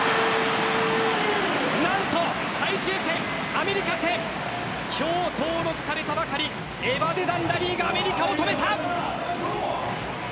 なんと最終戦、アメリカ戦今日、登録されたばかりエバデダン・ラリーがアメリカを止めた。